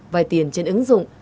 vài tiền trên ứng dụng